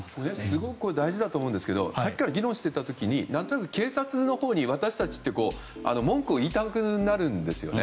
すごく大事と思うんですがさっきから議論していた時に何となく警察のほうに私たちって文句を言いたくなるんですね。